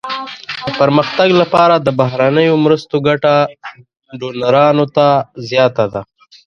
د پرمختګ لپاره د بهرنیو مرستو ګټه ډونرانو ته زیاته ده.